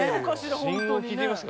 信号聞いてみますか？